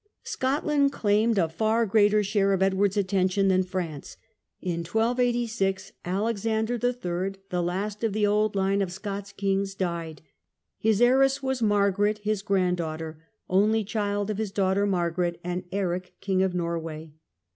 Scotland claimed a far greater share of Edward's atten tion than France. In 1286 Alexander III., the last of the old line of Scots kings, died. His heiress was Mar garet, his granddaughter, only child of his daughter Mar garet and Eric King of Norway.